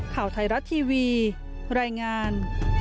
ข่าวไทยรัฐทีวีรายงาน